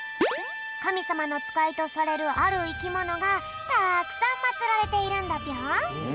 かみさまのつかいとされるあるいきものがたくさんまつられているんだぴょん。